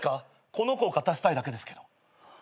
この子を勝たせたいだけですけど。